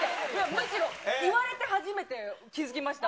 むしろ言われて初めて気付きました。